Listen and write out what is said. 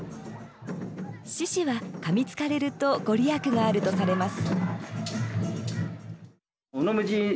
シシはかみつかれると御利益があるとされます。